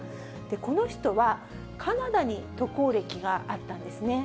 この人は、カナダに渡航歴があったんですね。